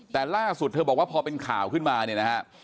แต่ล่าสุดเธอบอกว่าพอเป็นข่าวขึ้นมาเนี่ยนะฮะ